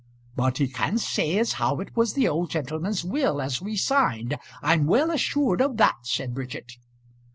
"But he can't say as how it was the old gentleman's will as we signed. I'm well assured of that," said Bridget.